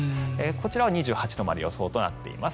こちらは２８度の予想となっています。